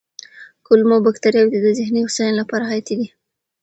کولمو بکتریاوې د ذهني هوساینې لپاره حیاتي دي.